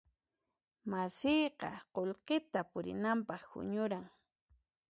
Masiyqa qullqita purinanpaq huñuran.